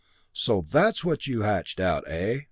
"So that's what you hatched out, eh?